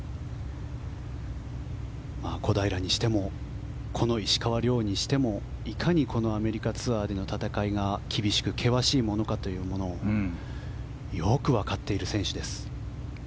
小平にしても石川遼にしてもいかにアメリカツアーでの戦いが厳しく険しいものかよく分かっている選手です。